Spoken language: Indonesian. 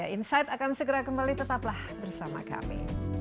insight akan segera kembali tetaplah bersama kami